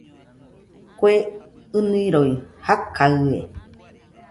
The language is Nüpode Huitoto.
Kue ɨniroi jakaɨe